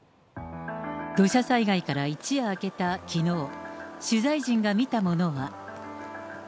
土砂災害から一夜明けたきのう、取材陣が見たものは。